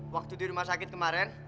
waktu di rumah sakit kemarin